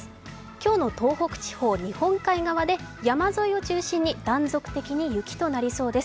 今日の東北地方、日本海側で山沿いを中心に断続的に雪となりそうです。